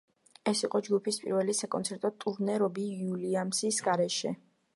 ეს იყო ჯგუფის პირველი საკონცერტო ტურნე რობი უილიამსის გარეშე.